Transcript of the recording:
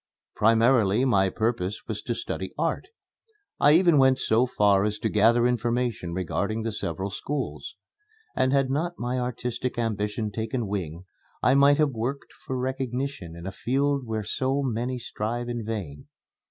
Primarily my purpose was to study art. I even went so far as to gather information regarding the several schools; and had not my artistic ambition taken wing, I might have worked for recognition in a field where so many strive in vain.